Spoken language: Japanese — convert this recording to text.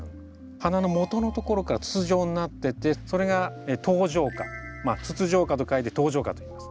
花のもとのところから筒状になっててそれが筒状花「筒状花」と書いて筒状花といいます。